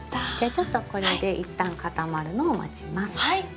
ちょっとこれでいったん固まるのを待ちます。